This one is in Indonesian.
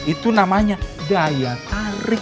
itu namanya daya tarik